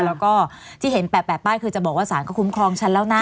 แล้วก็ที่เห็น๘๘ป้ายคือจะบอกว่าสารก็คุ้มครองฉันแล้วนะ